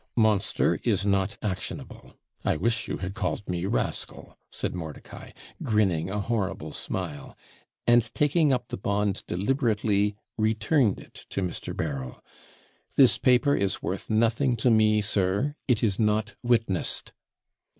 'Monster is not actionable I wish you had called me rascal,' said Mordicai, grinning a horrible smile; and taking up the bond deliberately, returned it to Mr. Berryl. 'This paper is worth nothing to me, sir it is not witnessed.'